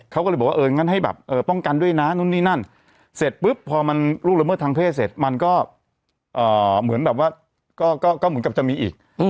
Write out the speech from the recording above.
เขาก็เลยบอกว่าเอองั้นให้แบบป้องกันด้วยนะนู่นนี่นั่นเสร็จปุ๊บพอมันล่วงละเมิดทางเพศเสร็จมันก็เหมือนแบบว่าก็เหมือนกับจะมีอีก